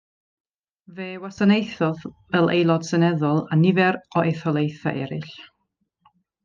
Fe wasanaethodd fel Aelod Seneddol a nifer o etholaethau eraill.